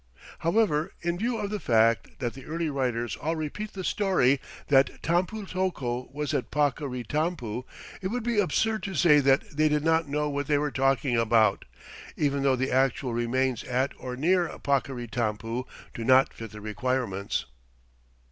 However, in view of the fact that the early writers all repeat the story that Tampu tocco was at Paccaritampu, it would be absurd to say that they did not know what they were talking about, even though the actual remains at or near Paccaritampu do not fit the requirements.